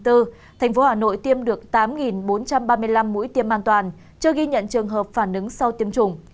thành phố hà nội tiêm được tám bốn trăm ba mươi năm mũi tiêm an toàn chưa ghi nhận trường hợp phản ứng sau tiêm chủng